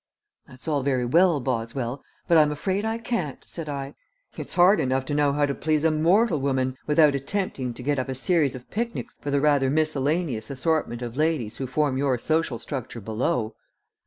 "That's all very well, Boswell, but I'm afraid I can't," said I. "It's hard enough to know how to please a mortal woman without attempting to get up a series of picnics for the rather miscellaneous assortment of ladies who form your social structure below.